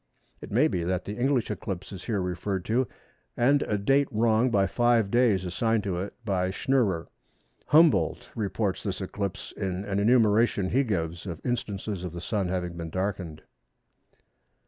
It may be that the English eclipse is here referred to, and a date wrong by five days assigned to it by Schnurrer. Humboldt (Cosmos, vol. iv. p. 384, Bohn's ed.) reports this eclipse in an enumeration he gives of instances of the Sun having been darkened.